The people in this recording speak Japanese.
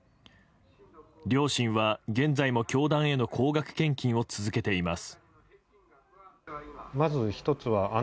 両親は現在も教団への高額献金を続けています。